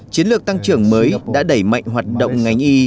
chiến lược tăng trưởng mới đã đẩy mạnh hoạt động ngành y